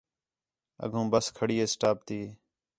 اڳوں ٻس کھڑی ہے سٹاپ تی